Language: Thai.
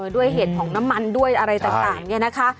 ด้วยเหตุของน้ำมันด้วยอะไรต่างเนี่ยนะคะ